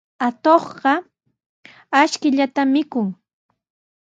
Atuqqa ashkallata mikun.